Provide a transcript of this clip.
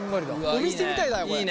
お店みたいだよこれ。